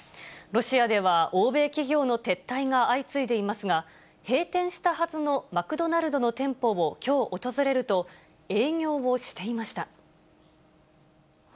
ロシアでは、欧米企業の撤退が相次いでいますが、閉店したはずのマクドナルドの店舗をきょう訪れると、営業をしていました。